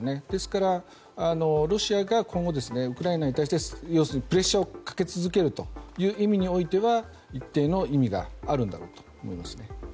ですから、ロシアが今後ウクライナに対して要するにプレッシャーをかけ続けるという意味においては一定の意味があるんだろうと思います。